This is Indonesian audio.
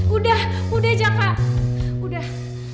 udah udah jaka udah